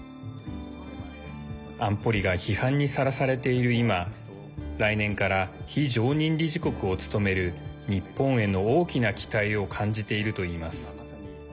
安保理が批判にさらされている今来年から非常任理事国を務める日本への大きな期待を感じているといいます。